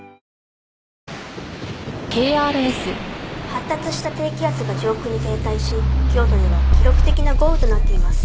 発達した低気圧が上空に停滞し京都では記録的な豪雨となっています。